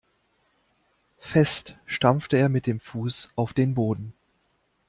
Fest stampfte er mit dem Fuß auf den Boden.